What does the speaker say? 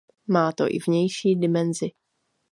Má to i vnější dimenzi.